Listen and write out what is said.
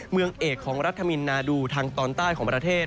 เมืองเอกของรัฐมินนาดูทางตอนใต้ของประเทศ